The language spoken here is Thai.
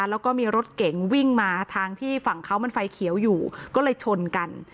แล้วก็มีรถเก๋งวิ่งมาทางที่ฝั่งเขามันไฟเขียวอยู่ก็เลยชนกัน